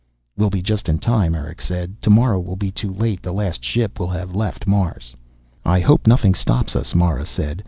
"We'll be just in time," Erick said. "Tomorrow will be too late. The last ship will have left Mars." "I hope nothing stops us," Mara said.